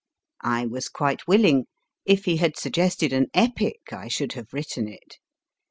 I was quite willing. If he had suggested an epic, I should have written it.